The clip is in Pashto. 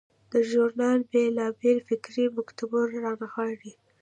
دا ژورنال بیلابیل فکري مکتبونه رانغاړي.